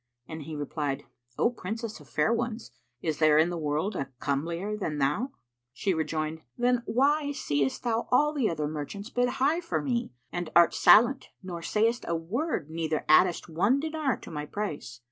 and he replied, "O Princess of fair ones, is there in the world a comelier than thou?" She rejoined, "Then why seest thou all the other merchants bid high for me and art silent nor sayest a word neither addest one dinar to my price?